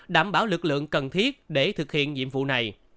đảm bảo lực lượng cần thiết để thực hiện nhiệm vụ này